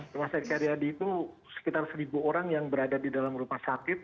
rumah sakit karyadi itu sekitar seribu orang yang berada di dalam rumah sakit